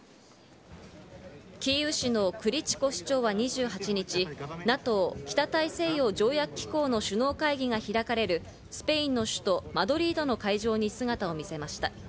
キーウ市のクリチコ市長は２８日、ＮＡＴＯ＝北大西洋条約機構の首脳会議が開かれる、スペインの首都マドリードの会場に姿を見せました。